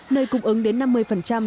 nơi cung ứng đến các lô lợn